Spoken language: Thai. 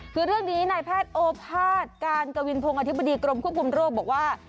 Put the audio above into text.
คือเรื่องนี้นายแพทย์โอภาษย์การกวินพงศ์อธิบดีกรมควบคุมโรคบอกว่า